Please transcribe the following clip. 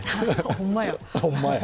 ほんまや。